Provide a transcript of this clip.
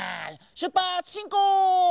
しゅっぱつしんこう！